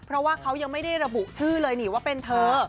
เพราะว่าเขายังไม่ได้ระบุชื่อเลยนี่ว่าเป็นเธอ